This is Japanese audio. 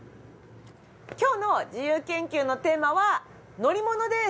今日の自由研究のテーマは乗り物です。